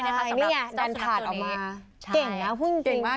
นี่ดันถาดออกมา